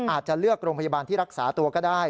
อาจจะเลือกโรงพยาบาลที่รักษาตัวก็ได้